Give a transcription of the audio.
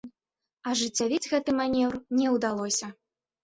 Ажыццявіць гэты манеўр не ўдалося.